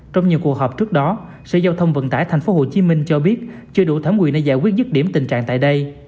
trong nhiều cuộc họp trước đó sở giao thông vận tải tp hcm cho biết chưa đủ thẩm quyền để giải quyết dứt điểm tình trạng tại đây